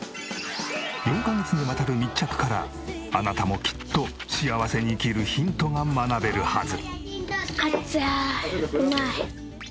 ４カ月にわたる密着からあなたもきっと幸せに生きるヒントが学べるはず。